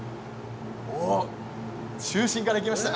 中心からいきました。